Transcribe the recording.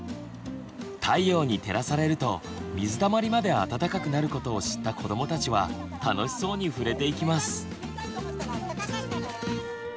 太陽に照らされると「水たまり」まで温かくなることを知った子どもたちは楽しそうに触れていきます。